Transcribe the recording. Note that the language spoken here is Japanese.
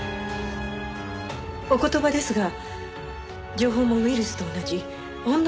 お言葉ですが情報もウイルスと同じほんの